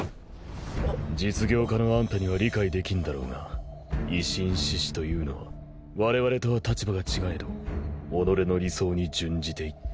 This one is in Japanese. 実業家のあんたには理解できんだろうが維新志士というのはわれわれとは立場が違えど己の理想に殉じていった。